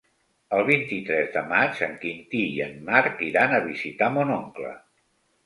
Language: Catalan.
El vint-i-tres de maig en Quintí i en Marc iran a visitar mon oncle.